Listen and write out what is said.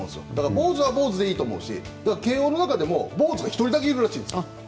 坊主は坊主でいいと思うし慶応の中でも坊主が１人だけいるらしいです。